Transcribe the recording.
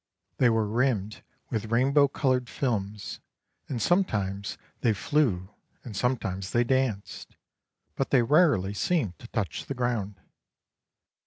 They were rimmed with rainbow coloured films, and sometimes they flew and sometimes they danced, but they rarely seemed to touch the ground.